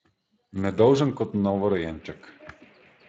Nedolžen kot novorojenček.